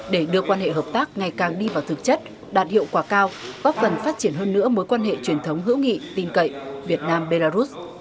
để đưa quan hệ hợp tác ngày càng đi vào thực chất đạt hiệu quả cao góp phần phát triển hơn nữa mối quan hệ truyền thống hữu nghị tin cậy việt nam belarus